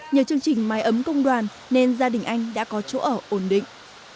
nhờ chương trình mái ấm công đoàn nên gia đình anh đã có chỗ ở ổn định